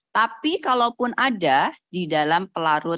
tapi kalaupun ada di dalam pelaruan